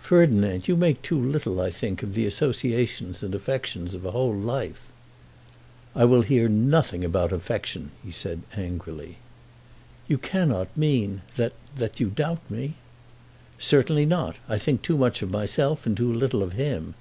"Ferdinand, you make too little, I think, of the associations and affections of a whole life." "I will hear nothing about affection," he said angrily. "You cannot mean that that you doubt me?" "Certainly not. I think too much of myself and too little of him."